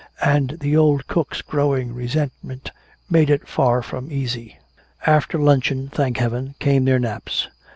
And the old cook's growing resentment made it far from easy. After luncheon, thank heaven, came their naps.